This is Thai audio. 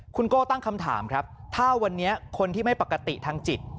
คุณโก้ตั้งคำถามครับถ้าวันนี้คนที่ไม่ปกติทางจิต